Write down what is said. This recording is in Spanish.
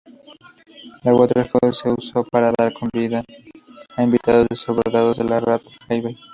La Waterhouse se usó para dar cabida a invitados desbordados de la "Rat Abbey".